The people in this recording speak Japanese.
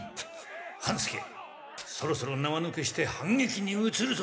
半助そろそろ縄抜けして反撃にうつるぞ。